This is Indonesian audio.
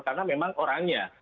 karena memang orangnya